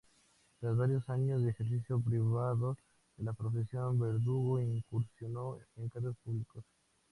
Tras varios años de ejercicio privado de la profesión, Verdugo incursionó en cargos públicos.